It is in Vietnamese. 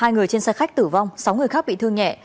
hai người trên xe khách tử vong sáu người khác bị thương nhẹ